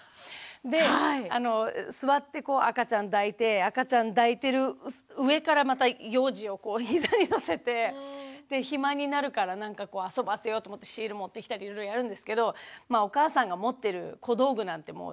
で座ってこう赤ちゃん抱いて赤ちゃん抱いてる上からまた幼児をこう膝に乗せてで暇になるからなんかこう遊ばせようと思ってシール持ってきたりいろいろやるんですけどまあお母さんが持ってる小道具なんてもうたかが知れてるんですよ。